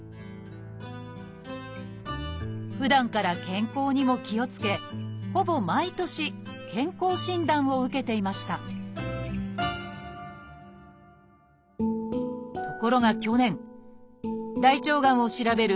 ふだんから健康にも気をつけほぼ毎年健康診断を受けていましたところが去年大腸がんを調べる